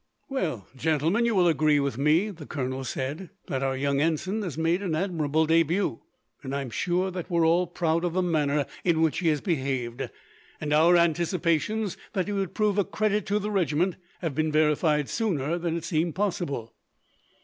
"Well, gentlemen, you will agree with me," the colonel said, "that our young ensign has made an admirable debut, and I am sure that we are all proud of the manner in which he has behaved; and our anticipations, that he would prove a credit to the regiment, have been verified sooner than it seemed possible."